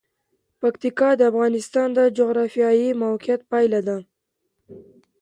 پکتیکا د افغانستان د جغرافیایي موقیعت پایله ده.